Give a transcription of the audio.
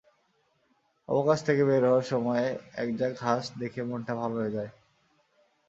অবকাশ থেকে বের হওয়ার সময় একঝাঁক হাঁস দেখে মনটা ভালো হয়ে যায়।